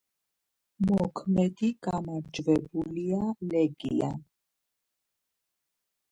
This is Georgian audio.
მოქმედი გამარჯვებულია ლეგია.